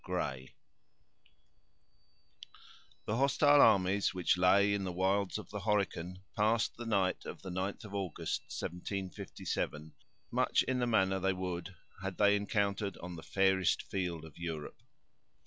—Gray The hostile armies, which lay in the wilds of the Horican, passed the night of the ninth of August, 1757, much in the manner they would, had they encountered on the fairest field of Europe.